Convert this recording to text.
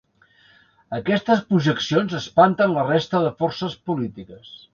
Aquestes projeccions espanten la resta de forces polítiques.